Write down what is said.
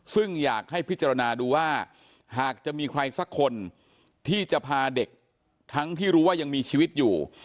ซึ่งอยากให้พิจารณาดูว่าหากจะมีใครสักคนที่จะพาเด็กทั้งที่รู้ว่ายังมีชีวิตอยู่